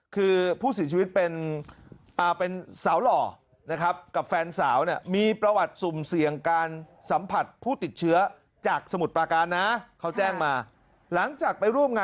คือผู้สีชีวิตเป็นสาวหล่อกับแฟนสาว